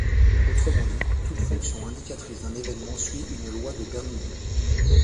Autrement dit, toute fonction indicatrice d'un évènement suit une loi de Bernoulli.